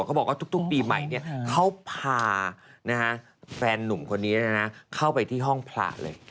บอกว่าทุกปีใหม่เขาพาแฟนนุ่มคนนี้เข้าไปที่ห้องพระเลย